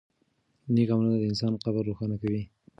نېک عملونه د انسان قبر روښانه کوي.